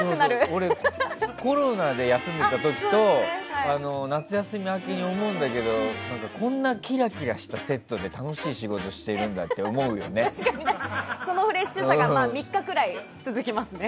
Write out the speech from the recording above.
俺、コロナで休んでた時と夏休み明けに思うんだけどこんなキラキラしたセットで楽しい仕事してるんだってそのフレッシュさが３日ぐらい続きますよね。